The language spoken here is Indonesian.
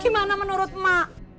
gimana menurut ma